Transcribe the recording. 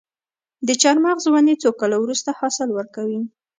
د چهارمغز ونې څو کاله وروسته حاصل ورکوي؟